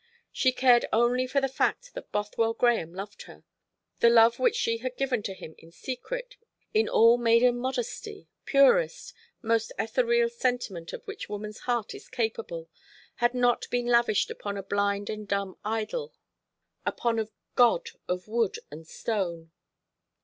She cared only for the fact that Bothwell Grahame loved her. That love which she had given to him in secret, in all maiden modesty, purest, most ethereal sentiment of which woman's heart is capable, had not been lavished upon a blind and dumb idol, upon a god of wood and stone.